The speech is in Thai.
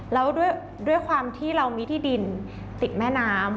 แล้วด้วยความที่เรามีที่ดินติดแม่น้ำ